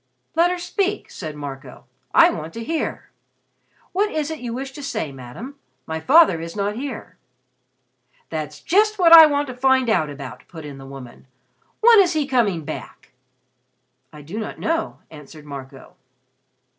"Let her speak," said Marco. "I want to hear. What is it you wish to say, Madam? My father is not here." "That's just what I want to find out about," put in the woman. "When is he coming back?" "I do not know," answered Marco.